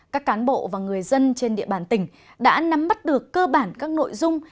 các cán bộ và người dân trên địa bàn tỉnh đã nắm bắt được cơ bản các nội dung